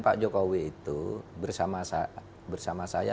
pak jokowi itu bersama saya